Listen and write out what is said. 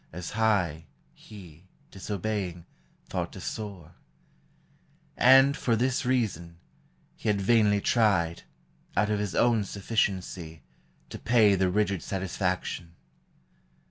As high, he, disobeying, thought to soar: And, for this reason, he had vainly tried, Out of his own sufficiency, to pay The rigid satisfaction.